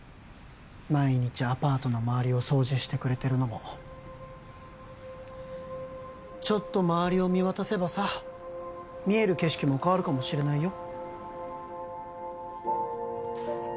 毎日アパートの周りを掃除してくれてるのもちょっと周りを見渡せばさ見える景色も変わるかもしれないよ